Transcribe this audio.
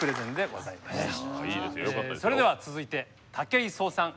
それでは続いて武井壮さん